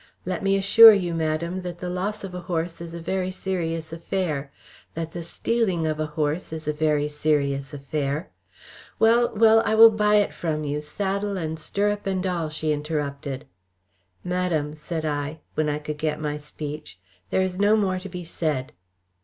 "Let me assure you, madam, that the loss of a horse is a very serious affair, that the stealing of a horse is a very serious affair " "Well, well, I will buy it from you, saddle and stirrup and all," she interrupted. "Madam," said I, when I could get my speech. "There is no more to be said."